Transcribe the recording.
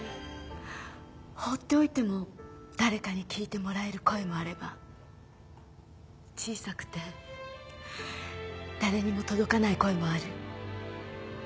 放っておいても誰かに聞いてもらえる声もあれば小さくて誰にも届かない声もある。